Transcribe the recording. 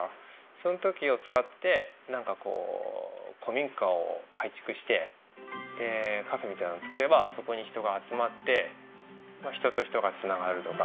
その時を使ってなんかこう古民家を改築してでカフェみたいなのを作ればそこに人が集まって人と人が繋がるとか。